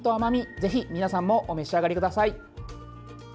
ぜひ皆さんもお召し上がりください。